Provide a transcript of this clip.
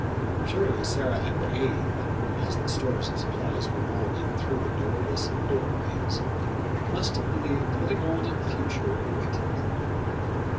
Surely Sarah and Abe, as the stores of supplies were rolled in through the doorless doorways, must have be lieved that a golden future awaited them.